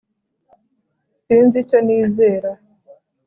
Sinzi icyo nizera